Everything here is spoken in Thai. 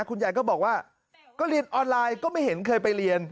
คุณยายก็บอกว่าก็เรียนออนไลน์ก็ไม่เห็นเคยไปเรียน